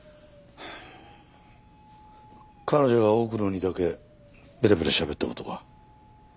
彼女が奥野にだけベラベラしゃべった事か？